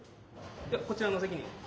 こちらのお席に。